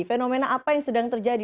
fenomena apa yang sedang terjadi